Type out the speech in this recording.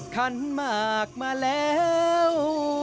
คันหมากมาแล้ว